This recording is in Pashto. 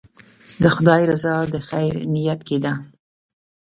د خدای رضا د خیر نیت کې ده.